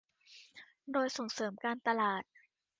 โดยส่งเสริมการตลาด